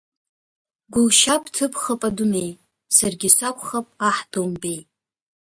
Гәылшьап ҭыԥхап адунеи, Саргьы сакәхап аҳ домбеи!